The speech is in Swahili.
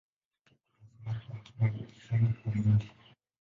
Pia kuna wasemaji wengine nchini Uhindi.